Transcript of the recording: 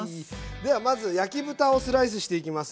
ではまず焼き豚をスライスしていきます。